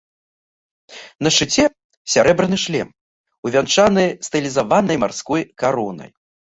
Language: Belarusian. На шчыце сярэбраны шлем, увянчаны стылізаванай марской каронай.